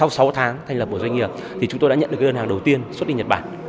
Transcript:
sau sáu tháng thành lập một doanh nghiệp thì chúng tôi đã nhận được đơn hàng đầu tiên xuất đi nhật bản